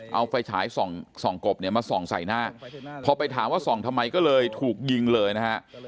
เอาไฟฉายส่องกบเนี่ยมาส่องใส่หน้าพอไปถามว่าส่องทำไมก็เลยถูกยิงเลยนะฮะ